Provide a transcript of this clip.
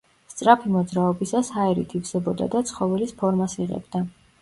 სწრაფი მოძრაობისას ჰაერით ივსებოდა და ცხოველის ფორმას იღებდა.